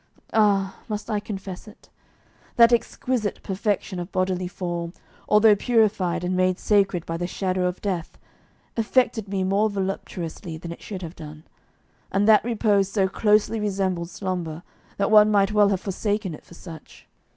Ah, must I confess it? That exquisite perfection of bodily form, although purified and made sacred by the shadow of death, affected me more voluptuously than it should have done; and that repose so closely resembled slumber that one might well have mistaken it for such.